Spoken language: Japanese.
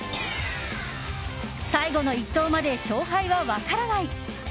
最後の一投まで勝敗は分からない。